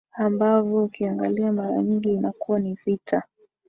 ambavyo ukiangalia mara nyingi inakuwa ni vita